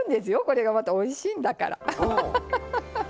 これがまたおいしいんだから。